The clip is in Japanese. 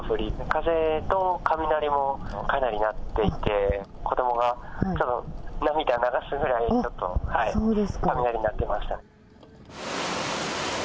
風と雷もかなり鳴っていて、子どもが、涙流すぐらい、ちょっと、雷鳴ってました。